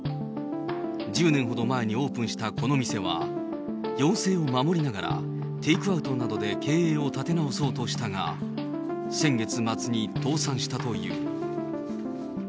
１０年ほど前にオープンしたこの店は、要請を守りながら、テイクアウトなどで経営を立て直そうとしたが、先月末に倒産したという。